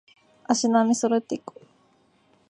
足並み揃えていこう